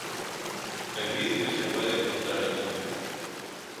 El video se puede encontrar en YouTube.